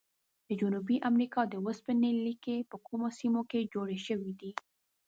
د جنوبي امریکا د اوسپنې لیکي په کومو سیمو کې جوړې شوي دي؟